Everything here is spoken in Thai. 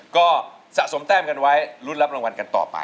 ก็สะสมแต้มกันไว้ลุ้นรับรางวัลกันต่อไป